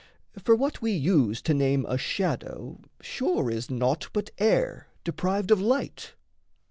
For what we use to name a shadow, sure Is naught but air deprived of light.